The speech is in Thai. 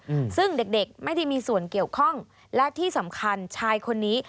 อืมซึ่งเด็กเด็กไม่ได้มีส่วนเกี่ยวข้องและที่สำคัญชายคนนี้